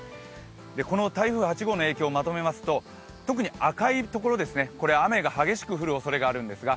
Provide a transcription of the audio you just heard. この台風８号の影響をまとめますと特に赤いところ、雨が激しく降るおそれがあるんですが